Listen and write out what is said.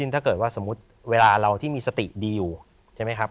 ถ้าเกิดว่าสมมุติเวลาเราที่มีสติดีอยู่ใช่ไหมครับ